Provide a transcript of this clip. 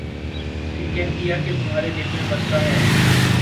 پھر کہہ دیا کہ تمھارے دل میں بستا ہے ۔